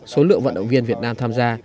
số lượng vận động viên việt nam tham gia